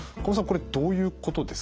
これどういうことですか？